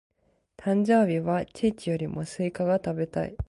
誕生日はケーキよりもスイカが食べたい。